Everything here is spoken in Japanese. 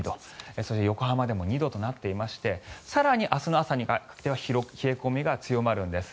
そして横浜でも２度となっていまして更に、明日の朝にかけては冷え込みが強まるんです。